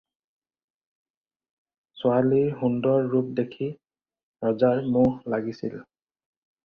ছোৱালীৰ সুন্দৰ ৰূপ দেখি ৰজাৰ মোহ লাগিছিল।